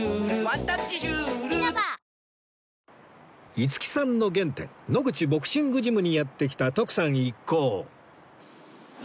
五木さんの原点野口ボクシングジムにやって来た徳さん一行